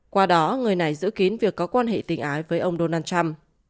qua đó người này giữ kín việc có quan hệ tình ái với ông donald trump